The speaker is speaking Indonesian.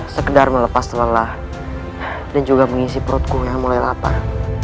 sekedar melepas lelah dan juga mengisi perutku yang mulai lapar